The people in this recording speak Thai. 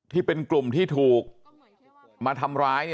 ที่เป็นกลุ่มที่ถูกมาทำร้าย